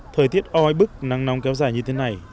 thời tiết oi bức nắng nóng kéo dài như thế này